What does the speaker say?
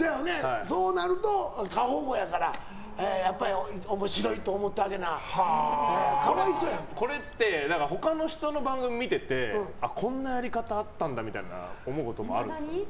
そうなると過保護やから面白いと思ってあげな他の人の番組を見ててこんなやり方あったんだみたいな思うこともあるんですか？